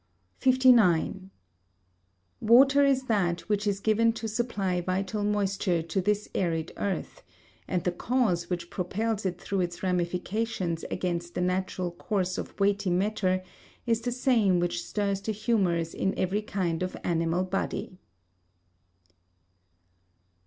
59. Water is that which is given to supply vital moisture to this arid earth; and the cause which propels it through its ramifications against the natural course of weighty matter is the same which stirs the humours in every kind of animal body.